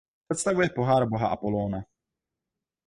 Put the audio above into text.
Představuje pohár boha Apollóna.